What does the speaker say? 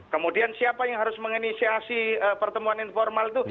kemudian siapa yang harus menginisiasi pertemuan informal itu